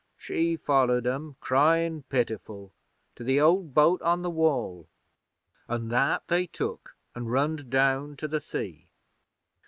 She followed 'em, cryin' pitiful, to the old boat on the Wall, an' that they took an' runned down to the sea.